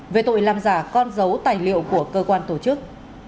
về tội làm giả con dấu tài liệu của cơ quan tổ chức